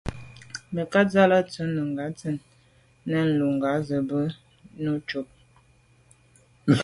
Mə̀kát jɔ́ tɔ̀ɔ́ lá’ nùngà bú tɛ̀ɛ́n ndzjə́ə̀k nə̀ lɛ̀ɛ́n nùngá zə́ bú nùú cúp.